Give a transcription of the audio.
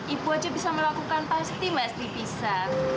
ibu aja bisa melakukan pasti mbak sri bisa